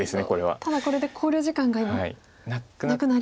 ただこれで考慮時間が今なくなりました。